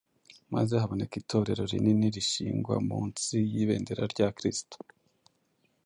maze haboneka Itorero rinini rishingwa munsi y’ibendera rya Kristo.